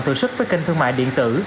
tự sức với kênh thương mại điện tử